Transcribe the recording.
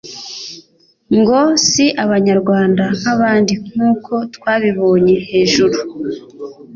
ngo si Abanyarwanda nk'abandi nk'uko twabibonye hejuru.